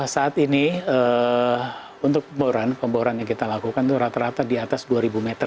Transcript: saat ini untuk pemboran pemboran yang kita lakukan itu rata rata di atas dua ribu meter